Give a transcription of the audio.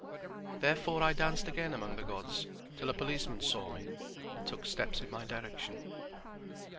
Therefore I danced again among the gods till a policeman saw me and took steps in my direction.